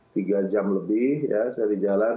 tiga jam lebih ya saya di jalan